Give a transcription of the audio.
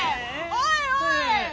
おいおい！